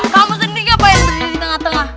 kamu sendiri ngapain berdiri di tengah tengah